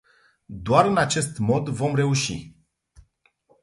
Doar în acest mod vom reuși.